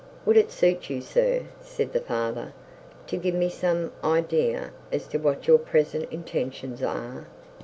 'Would it suit you, sir,' said the father, 'to give me some idea as to what your present intentions are?